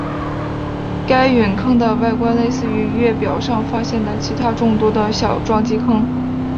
该陨坑的外观类似于月表上发现的其它众多的小撞击坑。